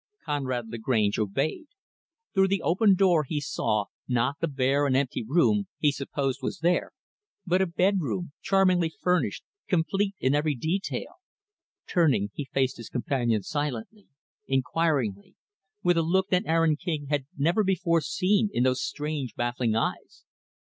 Conrad Lagrange obeyed. Through the open door, he saw, not the bare and empty room he supposed was there, but a bedroom charmingly furnished, complete in every detail. Turning, he faced his companion silently, inquiringly with a look that Aaron King had never before seen in those strange, baffling eyes.